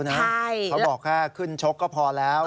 เขาบอกแค่ขึ้นชกก็พอแล้ว